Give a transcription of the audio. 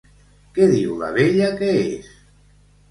Què diu la vella que és?